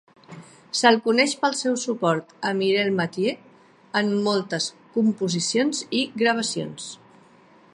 Se'l coneix pel seu suport a Mireille Mathieu en moltes composicions i gravacions.